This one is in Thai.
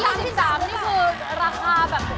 ถ้าเยี่ยม๓๓นี่คือราคาแบบ